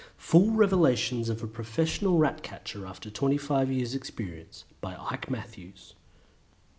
Full Revelations of a Professional Rat Catcher, after 25 Years' Experience by Ike Matthews.